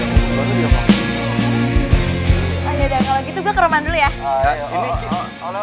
ayo deh kalo gitu gue ke rumah dulu ya